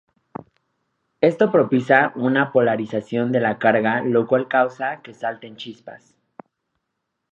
Esto propicia una polarización de la carga, lo cual causa que salten chispas.